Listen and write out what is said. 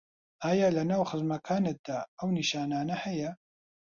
ئایا لەناو خزمەکانتدا ئەو نیشانانه هەیە